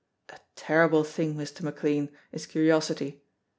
A terrible thing, Mr. McLean, is curiosity.